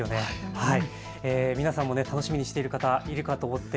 皆さんも楽しみにしている方いるかと思います。